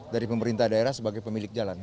dari pemerintah daerah sebagai pemilik jalan